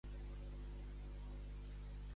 Què es diu que fa miracles?